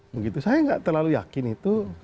begitu saya nggak terlalu yakin itu